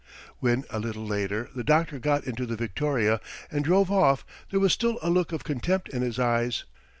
When a little later the doctor got into the victoria and drove off there was still a look of contempt in his eyes.